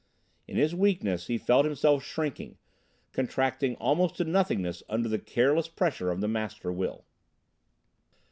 In his weakness he felt himself shrinking, contracting almost to nothingness under the careless pressure of the Master Will.